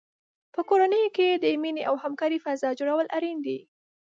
په کورنۍ کې د مینې او همکارۍ فضا جوړول اړین دي.